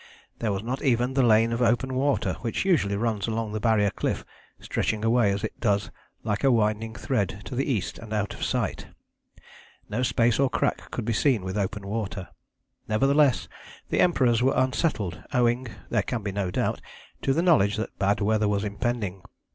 There was not even the lane of open water which usually runs along the Barrier cliff stretching away as it does like a winding thread to the east and out of sight. No space or crack could be seen with open water. Nevertheless the Emperors were unsettled owing, there can be no doubt, to the knowledge that bad weather was impending.